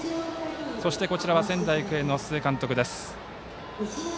そして仙台育英の須江監督です。